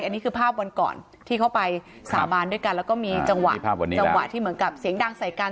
อันนี้คือภาพวันก่อนที่เขาไปสาบานด้วยกันแล้วก็มีจังหวะจังหวะที่เหมือนกับเสียงดังใส่กัน